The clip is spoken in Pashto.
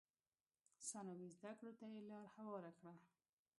ثانوي زده کړو ته یې لار هواره کړه.